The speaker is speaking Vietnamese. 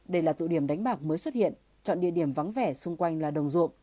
đây là tụ điểm đánh bạc mới xuất hiện chọn địa điểm vắng vẻ xung quanh là đồng ruộng